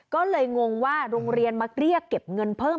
ก็เลยงงว่าโรงเรียนมาเกลี้ยเก็บเงินเพิ่ม